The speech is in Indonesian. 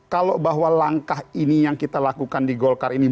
kalau bahwa langkah ini yang kita lakukan di golkar ini